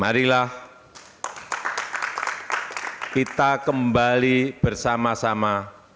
marilah kita kembali bersama sama